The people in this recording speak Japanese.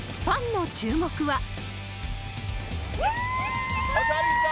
ファンの注目は。